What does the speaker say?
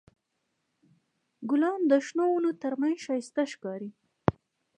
ګلان د شنو ونو تر منځ ښایسته ښکاري.